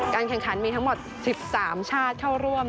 แข่งขันมีทั้งหมด๑๓ชาติเข้าร่วม